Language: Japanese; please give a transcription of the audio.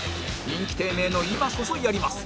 人気低迷の今こそやります